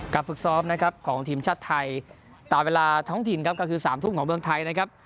ฝึกซ้อมนะครับของทีมชาติไทยตามเวลาท้องถิ่นครับก็คือ๓ทุ่มของเมืองไทยนะครับ